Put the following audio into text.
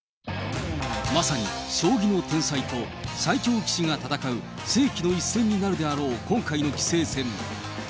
まさに将棋の天才と、最強棋士が戦う世紀の一戦になるであろう今回の棋聖戦。